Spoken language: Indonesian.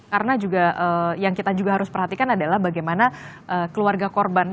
karena juga yang kita juga harus perhatikan adalah bagaimana keluarga korban